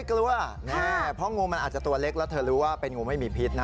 กลัวเพราะงูมันอาจจะตัวเล็กแล้วเธอรู้ว่าเป็นงูไม่มีพิษนะ